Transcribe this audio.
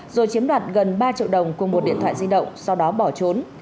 rồi chiếm đoạt gần ba triệu đồng cùng một điện thoại di động sau đó bỏ trốn